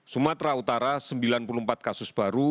sumatera utara sembilan puluh empat kasus baru